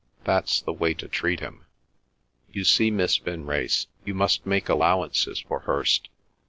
"That's the way to treat him. You see, Miss Vinrace, you must make allowances for Hirst.